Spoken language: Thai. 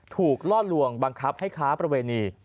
ล่อลวงบังคับให้ค้าประเวณี